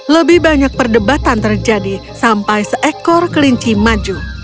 lebih banyak perdebatan terjadi sampai seekor kelinci maju